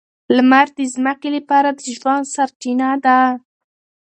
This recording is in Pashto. لمر د ځمکې لپاره د ژوند سرچینه ده.